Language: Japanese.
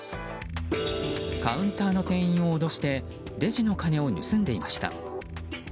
カウンターの店員を脅してレジの金を盗んでいました。